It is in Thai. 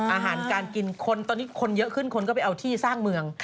อาหารการกินคนตอนนี้คนเยอะขึ้นคนก็ไปเอาที่สร้างเมือง